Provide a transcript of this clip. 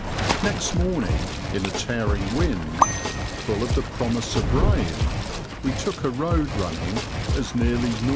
Next morning, in a tearing wind, full of the promise of rain, we took a road running as nearly N.N.